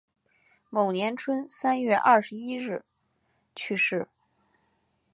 某年春三月二十一日去世。